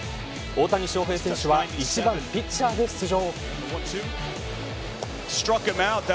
大谷翔平選手は１番ピッチャーで出場。